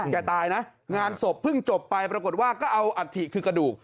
ตายนะงานศพเพิ่งจบไปปรากฏว่าก็เอาอัฐิคือกระดูก